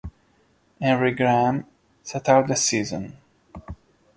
Henry Graham sat out the season.